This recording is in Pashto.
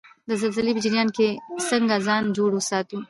د زلزلې په جریان کې څنګه ځان جوړ وساتو؟